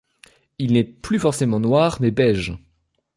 Il n'est plus forcément noir mais beige.